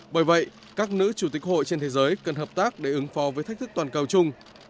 bởi vậy các nữ chủ tịch hội trên thế giới cần hợp tác để ứng phó với thách thức toàn cầu chung